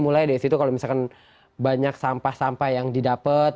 mulai dari situ kalau misalkan banyak sampah sampah yang didapat